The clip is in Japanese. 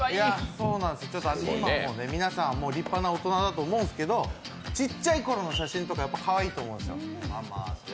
今はもう、皆さん立派な大人だと思うんですけど、ちっちゃいころの写真とかかわいいと思うんですよ。